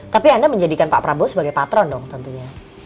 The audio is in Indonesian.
tapi anda menjadikan pak prabowo sebagai patron dong tentunya